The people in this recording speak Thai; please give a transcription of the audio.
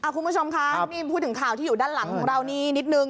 คุณผู้ชมคะนี่พูดถึงข่าวที่อยู่ด้านหลังของเรานี่นิดนึง